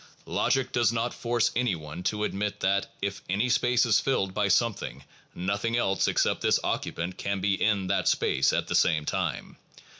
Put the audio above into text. Logic does not force any one to admit that, if any space is filled by something, nothing else except this occupant can be in that space at the same time.